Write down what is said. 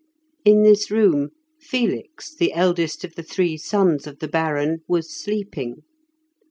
In this room Felix, the eldest of the three sons of the Baron, was sleeping.